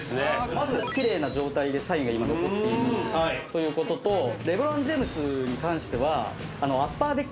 まず奇麗な状態でサインが今残っているということとレブロン・ジェームズに関しては。